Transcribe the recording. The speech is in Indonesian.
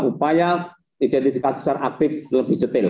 upaya identifikasi secara aktif lebih detail